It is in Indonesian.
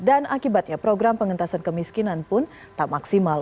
dan akibatnya program pengentasan kemiskinan pun tak maksimal